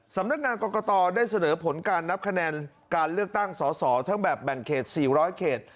สำนักงานกรกตได้เสนอผลการนับคะแนนการเลือกตั้งสอสอทั้งแบบแบ่งเขต๔๐๐เขต